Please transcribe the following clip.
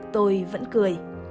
tôi vẫn cười